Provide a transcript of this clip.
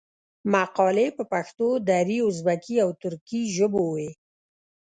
مقالي په پښتو، دري، ازبکي او ترکي ژبو وې.